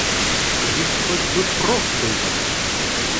И ведь хоть бы прок был какой!